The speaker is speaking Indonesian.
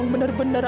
bukannya dengan ee